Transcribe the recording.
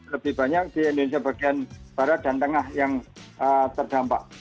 lebih banyak di indonesia bagian barat dan tengah yang terdampak